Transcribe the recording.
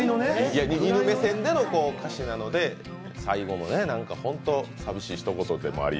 犬目線での歌詞なので、最後もね、本当に寂しいひと言でもあり。